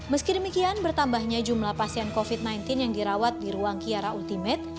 meski demikian bertambahnya jumlah pasien covid sembilan belas yang dirawat di ruang kiara ultimate